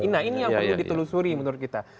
nah ini yang perlu ditelusuri menurut kita